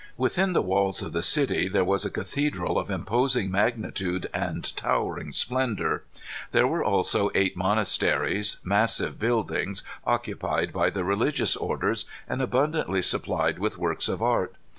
Within the walls of the city there was a cathedral of imposing magnitude and towering splendor. There were also eight monasteries, massive buildings, occupied by the religious orders, and abundantly supplied with works of art.